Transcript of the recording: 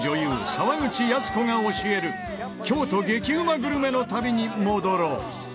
沢口靖子が教える京都激うまグルメの旅に戻ろう。